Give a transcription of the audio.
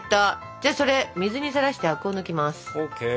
じゃあそれ水にさらしてアクを抜きます。ＯＫ。